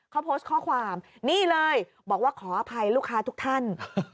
เขาโพสต์ข้อความนี่เลยบอกว่าขออภัยลูกค้าทุกท่าน